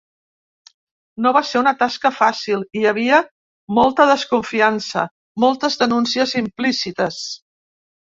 No va ser una tasca fàcil: hi havia ‘molta desconfiança’, ‘moltes denúncies implícites’.